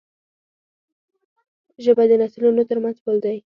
ژبه د نسلونو ترمنځ پُل دی.